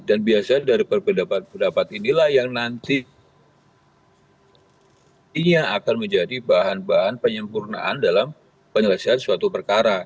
dan biasanya dari perbedaan pendapat inilah yang nantinya akan menjadi bahan bahan penyempurnaan dalam penyelesaian suatu perkara